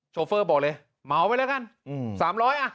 โชเฟอร์บอกเลยเมาท์ไปแล้วกัน๓๐๐อ่ะ